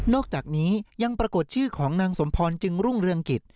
อกจากนี้ยังปรากฏชื่อของนางสมพรจึงรุ่งเรืองกิจ